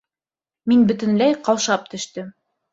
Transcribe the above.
Мин бөтөнләй ҡаушап төштөм.